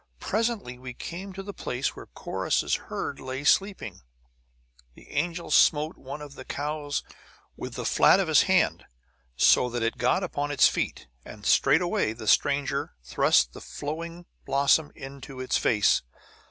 Presently we came to the place where Corrus's herd lay sleeping. The angel smote one of the cows with the flat of his hand, so that it got upon its feet; and straighway the stranger thrust the flowing blossom into its face.